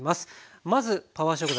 まずパワー食材